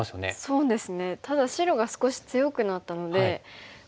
そうです。